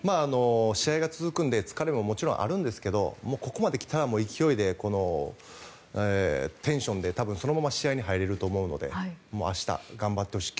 試合が続くので疲れももちろんあるんですがここまできたら勢いで、テンションで多分、そのまま試合に入れると思うので明日、頑張ってほしい。